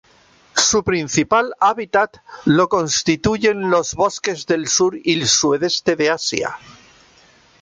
Su principal hábitat lo constituyen los bosques del sur y el sudeste de Asia.